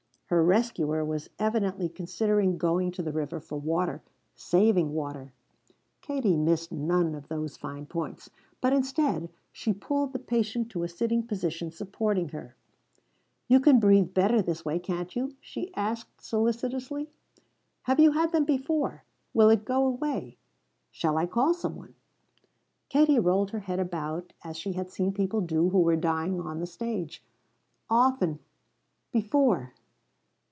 Her rescuer was evidently considering going to the river for water saving water (Katie missed none of those fine points) but instead she pulled the patient to a sitting position, supporting her. "You can breathe better this way, can't you?" she asked solicitously. "Have you had them before? Will it go away? Shall I call some one?" Katie rolled her head about as she had seen people do who were dying on the stage. "Often before.